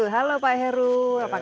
halo pak heru apa kabar